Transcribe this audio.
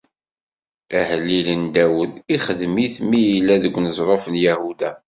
Ahellil n Dawed, ixedm-it mi yella deg uneẓruf n Yahuda.